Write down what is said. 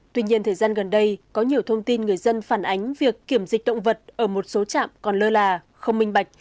tuy nhiên thời gian gần đây có nhiều thông tin người dân phản ánh việc kiểm dịch động vật ở một số trạm còn lơ là